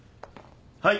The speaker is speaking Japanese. はい。